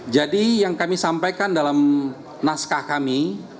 jadi yang kami sampaikan dalam naskah kami